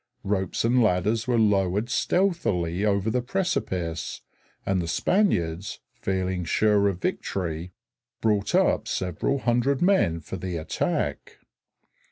Ropes and ladders were lowered stealthily over the precipice, and the Spaniards, feeling sure of victory, brought up several hundred men for the attack.